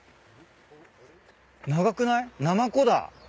長くない？ナマコだ。